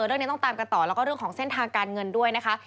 เรื่องนี้ต้องตามกันต่อแล้วก็เรื่องของเส้นทางการเงินด้วยนะคะ